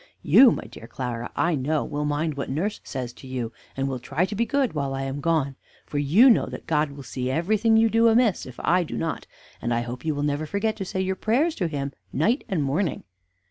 "You, my dear Clara, I know, will mind what nurse says to you, and will try to be good while I am gone; for you know that God will see everything you do amiss, if I do not; and I hope you will never forget to say your prayers to Him night and morning."